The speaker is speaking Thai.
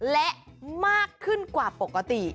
และมากขึ้นกว่าปกติ